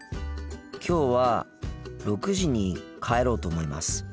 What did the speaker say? きょうは６時に帰ろうと思います。